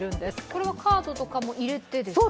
これはカードとかも入れてですか？